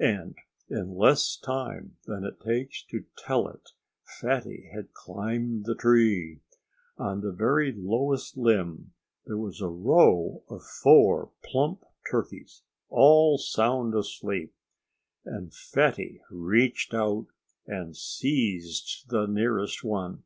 And in less time than it takes to tell it Fatty had climbed the tree. On the very lowest limb there was a row of four plump turkeys, all sound asleep. And Fatty reached out and seized the nearest one.